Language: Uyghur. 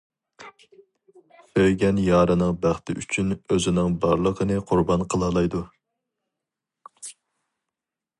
سۆيگەن يارىنىڭ بەختى ئۈچۈن ئۆزىنىڭ بارلىقىنى قۇربان قىلالايدۇ.